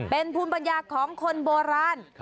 เป็นภูมิปัญญาของคนโบราณ